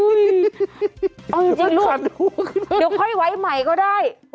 เอาจริงลูกเดี๋ยวค่อยไว้ใหม่ก็ได้